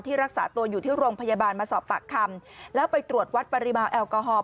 รักษาตัวอยู่ที่โรงพยาบาลมาสอบปากคำแล้วไปตรวจวัดปริมาณแอลกอฮอล